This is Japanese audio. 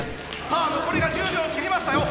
さあ残りが１０秒切りましたよ。